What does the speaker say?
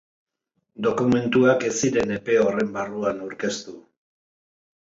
Dokumentuak ez ziren epe horren barruan aurkeztu.